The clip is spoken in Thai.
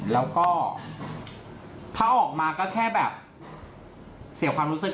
แล้วก็ถ้าออกมาก็แค่แบบเสียความรู้สึก